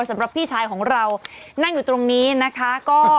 สำหรับพี่ชายของเรานั่งอยู่ตรงนี้นะคะ